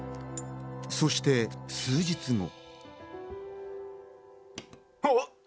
そして数日後。